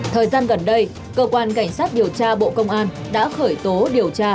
thời gian gần đây cơ quan cảnh sát điều tra bộ công an đã khởi tố điều tra